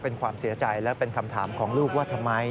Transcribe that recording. เป็นความเสียใจและเป็นคำถามของลูกว่าทำไม